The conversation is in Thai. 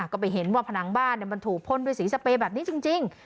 ก็ไปเห็นว่าผนังบ้านมันถูกพ่นด้วยสีสเปรย์แบบนี้จริง